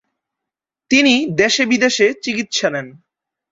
তিনি দেশে বিদেশে চিকিৎসা নেন।